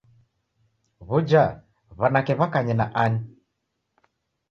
W'uja w'anake w'akanye na ani?